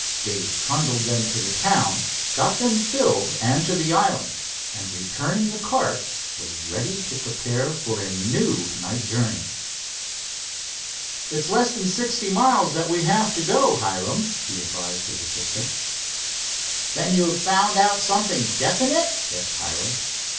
Dave trundled them to the town, got them filled and to the island, and, returning the cart, was ready to prepare for a new night journey. "It's less than sixty miles that we have to go, Hiram," he advised his assistant. "Then you've found out something definite?" guessed Hiram.